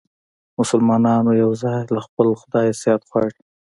مسلمانان یووازې له خپل خدایه صحت غواړي.